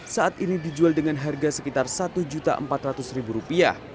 saat ini dijual dengan harga sekitar rp satu empat ratus